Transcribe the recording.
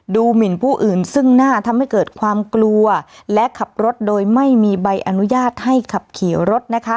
หมินผู้อื่นซึ่งหน้าทำให้เกิดความกลัวและขับรถโดยไม่มีใบอนุญาตให้ขับขี่รถนะคะ